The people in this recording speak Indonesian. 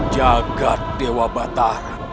jagat dewa batara